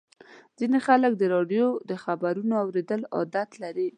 ځینې خلک د راډیو د خبرونو اورېدو عادت لري.